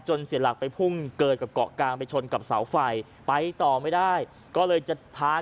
เสียหลักไปพุ่งเกยกับเกาะกลางไปชนกับเสาไฟไปต่อไม่ได้ก็เลยจะพา